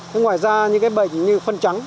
thế ngoài ra những cái bệnh như phân trắng